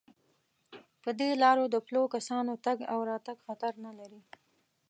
په دې لارو د پلو کسانو تگ او راتگ خطر نه لري.